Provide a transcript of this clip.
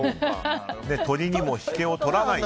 鶏にも引けを取らない。